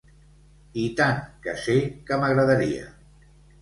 I tant que sé que m'agradaria!